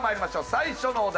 最初のお題